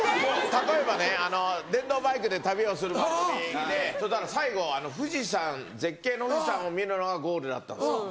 例えばね電動バイクで旅をする番組で最後富士山絶景の富士山を見るのがゴールだったんです。